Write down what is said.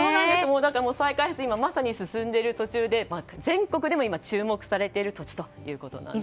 だから、再開発がまさに進んでいる途中で全国でも今注目されている土地ということなんです。